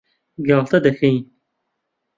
گاڵتە دەکەین.